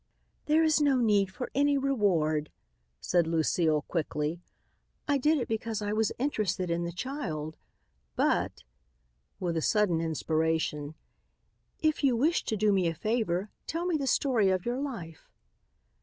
"There is no need for any reward," said Lucile quickly. "I did it because I was interested in the child. But," with a sudden inspiration, "if you wish to do me a favor, tell me the story of your life."